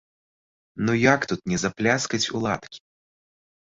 Ну як тут ні запляскаць у ладкі!